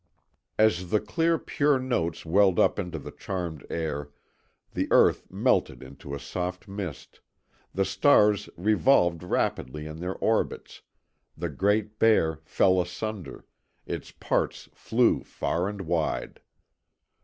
As the clear, pure notes welled up into the charmed air, the earth melted into a soft mist, the stars revolved rapidly in their orbits, the Great Bear fell asunder, its parts flew far and wide.